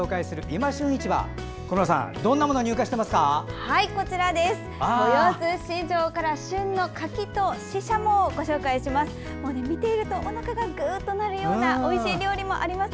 豊洲市場から旬の柿とシシャモをご紹介します。